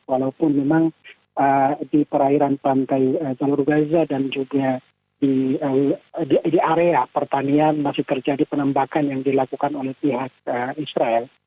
walaupun memang di perairan pantai jalur gaza dan juga di area pertanian masih terjadi penembakan yang dilakukan oleh pihak israel